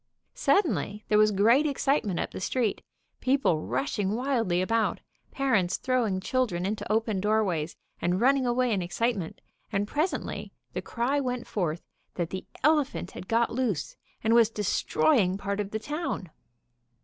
Suddenly there was great excitement up the street, people rushing wildly about, parents throwing children into open doorways and running away in excitement, and pres ently the cry went forth that the elephant had got 126 ELEPHANT HUNTING IN WISCONSIN loose and was destroying part of the town.